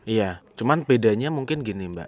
iya cuman bedanya mungkin gini mbak ira